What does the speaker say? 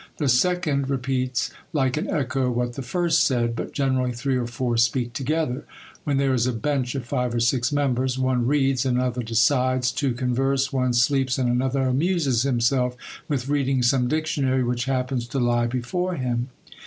The second repeats like an echo what the first said; but generally three or four speak together. When there is a bench of five or six members, one reads, another decides, two converse, one sleeps, and another amuses himself with reading some dictionary which happens to lie before him.